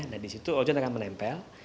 nah disitu ozon akan menempel